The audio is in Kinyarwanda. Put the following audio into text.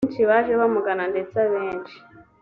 benshi baje bamugana ndetse abenshi